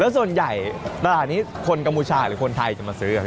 ส่วนใหญ่ตลาดนี้คนกัมพูชาหรือคนไทยจะมาซื้อ